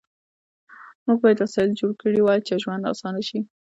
موږ باید وسایل جوړ کړي وای چې ژوند آسانه شي